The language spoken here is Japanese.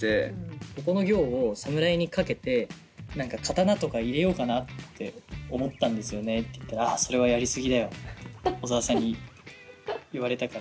「ここの行を侍にかけて何か刀とか入れようかなって思ったんですよね」って言ったら「あそれはやりすぎだよ」って小沢さんに言われたから。